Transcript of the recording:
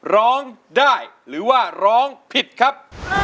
ร้องได้ร้องได้ร้องได้